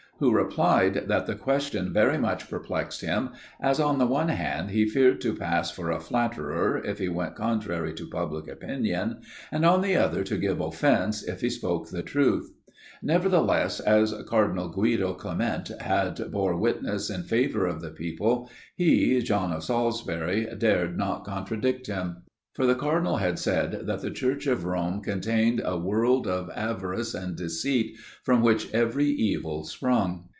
Who replied, that the question very much perplexed him, as, on the one hand, he feared to pass for a flatterer, if he went contrary to public opinion, and on the other, to give offence, if he spoke the truth. Nevertheless, as cardinal Guido Clement had bore witness in favour of the people, he, John of Salisbury, dared not contradict him. For the cardinal had said that the Church of Rome contained a world of avarice and deceit, from which every evil sprung.